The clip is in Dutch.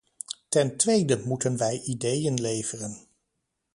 Ten tweede moeten wij ideeën leveren.